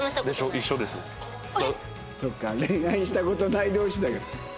そっか恋愛した事ない同士だから。